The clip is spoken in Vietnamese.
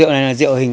rượu này là rượu hình